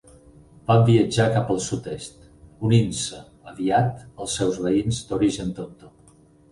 Van viatjar cap al sud-est, unint-se aviat els seus veïns d'origen teutó.